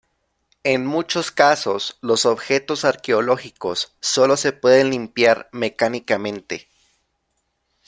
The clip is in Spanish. En muchos casos los objetos arqueológicos sólo se pueden limpiar mecánicamente.